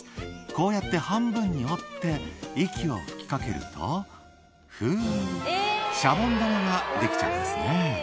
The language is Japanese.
こうやって半分に折って、息を吹きかけると、ふー、シャボン玉が出来ちゃいますね。